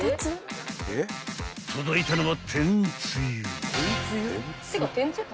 ［届いたのは］